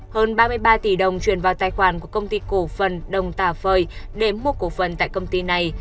hơn ba mươi ba tỷ đồng chuyển vào tài khoản của công ty cổ phần đồng tà phời để mua cổ phần tại công ty này